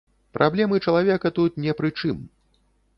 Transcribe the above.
Праблемы чалавека тут не пры чым.